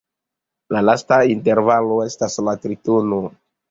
La lasta intervalo estas la tritono.